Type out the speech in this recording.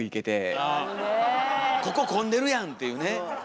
「ここ混んでるやん！」っていうね。